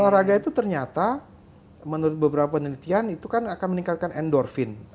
olahraga itu ternyata menurut beberapa penelitian itu kan akan meningkatkan endorfin